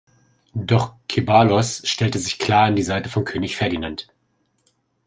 Doch Ceballos stellte sich klar an die Seite von König Ferdinand.